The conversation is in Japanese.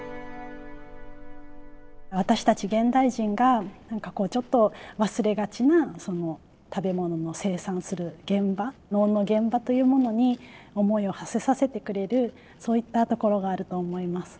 私たち現代人が何かこうちょっと忘れがちな食べ物の生産する現場農の現場というものに思いをはせさせてくれるそういったところがあると思います。